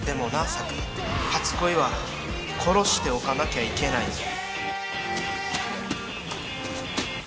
サク初恋は殺しておかなきゃいけないぞ。